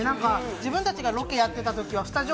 自分たちがロケやってた時は、スタジオ